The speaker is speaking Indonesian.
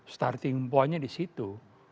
starting point nya di situ